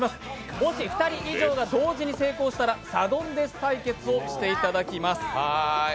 もし２人以上が同時に成功したらサドンデス対決をしていただきます。